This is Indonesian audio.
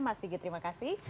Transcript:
mas sigit terima kasih